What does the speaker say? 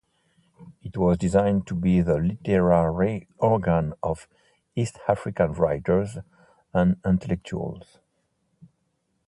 It was designed to be the literary organ of East African writers and intellectuals.